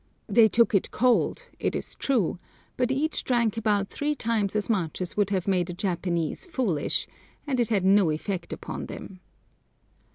They took it cold, it is true, but each drank about three times as much as would have made a Japanese foolish, and it had no effect upon them.